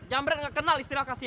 jemret gak kenal istilah kasian